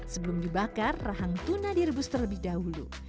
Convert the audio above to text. sebelum dibakar rahang tuna direbus terlebih dahulu